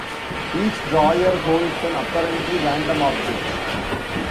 Each drawer holds an apparently random object.